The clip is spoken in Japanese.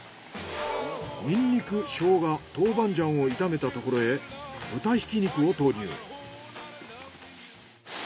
ニンニク・生姜・豆板醤を炒めたところへ豚ひき肉を投入。